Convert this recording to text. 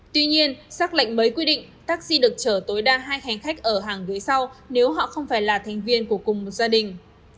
tuy nhiên xác lệnh mới quy định taxi được chở tối đa hai hành khách ở hàng gửi sau nếu họ không phải là thành viên của cùng một gia đình